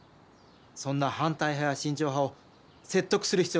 そんな反対派や慎重派を説得する必要があります。